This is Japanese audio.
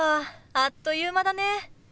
あっという間だね。